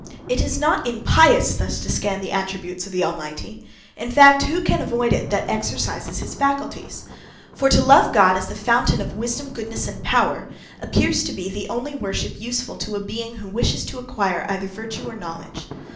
It is not impious thus to scan the attributes of the Almighty: in fact, who can avoid it that exercises his faculties? for to love God as the fountain of wisdom, goodness, and power, appears to be the only worship useful to a being who wishes to acquire either virtue or knowledge.